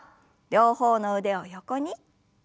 両方の腕を横に。